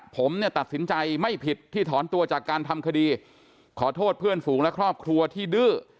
ผมเนี่ยตัดสินใจไม่ผิดที่ถอนตัวจากการทำคดีขอโทษเพื่อนฝูงและครอบครัวที่ดื้อ